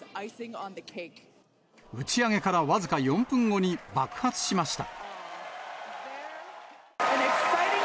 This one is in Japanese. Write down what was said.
打ち上げから僅か４分後に爆発しました。